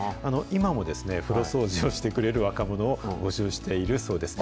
今もですね、風呂掃除をしてくれる若者を募集しているそうです。